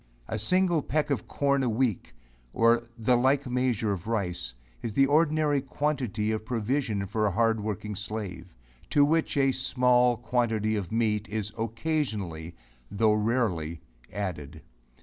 A single peck of corn a week, or the like measure of rice, is the ordinary quantity of provision for a hard working slave; to which a small quantity of meat is occasionally, tho' rarely, added.